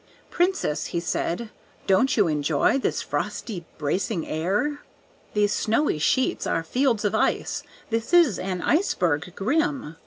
"Princess," said he, "don't you enjoy This frosty, bracing air? "These snowy sheets are fields of ice, This is an iceberg grim."